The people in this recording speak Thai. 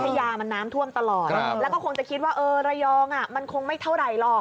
ยามันน้ำท่วมตลอดแล้วก็คงจะคิดว่าเออระยองมันคงไม่เท่าไหร่หรอก